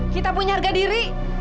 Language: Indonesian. kita punya harga diri